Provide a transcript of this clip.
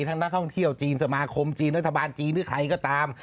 นักท่องเที่ยวจีนสมาคมจีนรัฐบาลจีนหรือใครก็ตาม